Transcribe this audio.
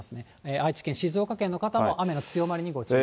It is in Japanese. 愛知県、静岡県の方も、雨の強まりにご注意を。